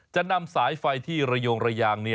จะนำสายไฟที่ระโยงระยาง